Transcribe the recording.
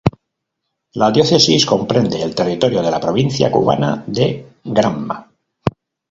La diócesis comprende el territorio de la provincia cubana de Granma.